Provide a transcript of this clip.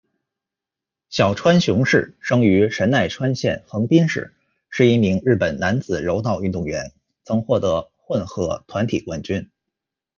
小川雄势生于神奈川县横滨市，是一名日本男子柔道运动员，曾获得混合团体冠军。